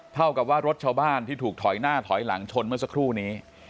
เท่ากับว่ารถชาวบ้านที่ถูกถอยหน้าถอยหลังชนเมื่อสักครู่นี้